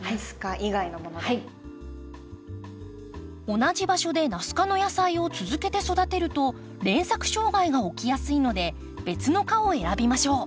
同じ場所でナス科の野菜を続けて育てると連作障害が起きやすいので別の科を選びましょう。